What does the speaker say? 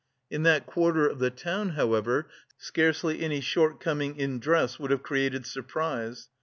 In that quarter of the town, however, scarcely any shortcoming in dress would have created surprise.